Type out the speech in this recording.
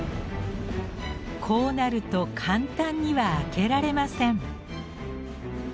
こうなると簡単には開けられません。